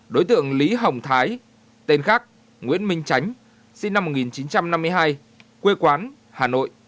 đối tượng lý hồng thái tên khác nguyễn minh tránh sinh năm một nghìn chín trăm năm mươi hai quê quán hà nội